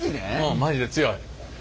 マジで強い。